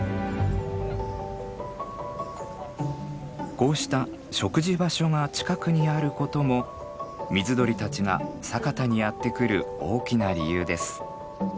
こうした食事場所が近くにあることも水鳥たちが佐潟にやって来る大きな理由です。